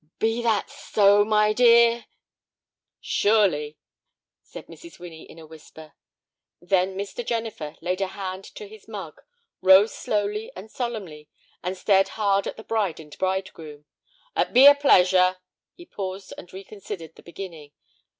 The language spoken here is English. "Be that so, my dear?" "Surely," said Mrs. Winnie, in a whisper. Then Mr. Jennifer laid a hand to his mug, rose slowly and solemnly, and stared hard at the bride and bridegroom. "Ut be a pleasure—" He paused and reconsidered the beginning.